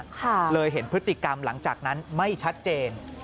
เลยเห็นพฤติกรรมหลังจากนั้นไม่ชัดเจน